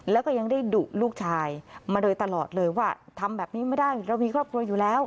แล้วก็ยังได้ดุลูกชายมาโดยตลอดเลยว่าทำแบบนี้ไม่ได้เรามีครอบครัวอยู่แล้ว